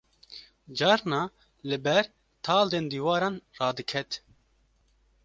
carna li ber taldên diwaran radiket